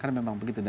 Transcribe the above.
karena memang begitu